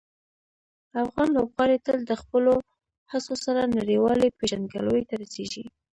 افغان لوبغاړي تل د خپلو هڅو سره نړیوالې پېژندګلوۍ ته رسېږي.